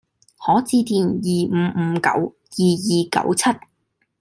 可致電二五五九二二九七